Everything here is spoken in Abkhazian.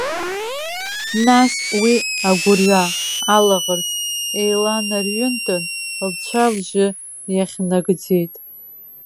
Нас уи агәырҩа, алаӷырӡ еиланарҩынтын, лцәа-лжьы иахьнагӡеит.